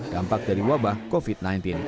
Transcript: dampak dari wabah covid sembilan belas